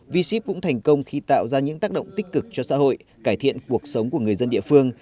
v ship cũng thành công khi tạo ra những tác động tích cực cho xã hội cải thiện cuộc sống của người dân địa phương